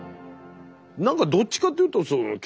何かどっちかっていうと本当そうですよね。